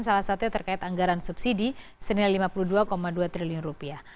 salah satunya terkait anggaran subsidi senilai lima puluh dua dua triliun rupiah